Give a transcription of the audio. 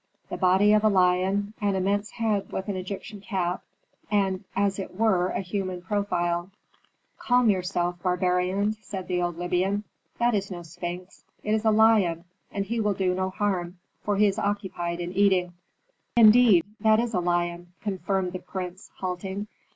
The body of a lion, an immense head with an Egyptian cap, and as it were a human profile. "Calm yourselves, barbarians," said the old Libyan. "That is no sphinx; it is a lion, and he will do no harm, for he is occupied in eating." "Indeed, that is a lion!" confirmed the prince halting.